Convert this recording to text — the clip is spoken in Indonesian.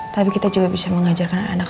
tapi kita juga bisa mengajarkan anak